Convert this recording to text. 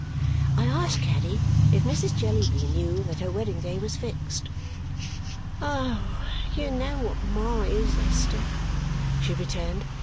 I asked Caddy if Mrs. Jellyby knew that her wedding day was fixed. "Oh! You know what Ma is, Esther," she returned.